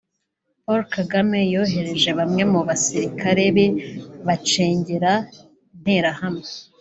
Paul Kagame yohereje bamwe mu basirikare be bacengera Interahamwe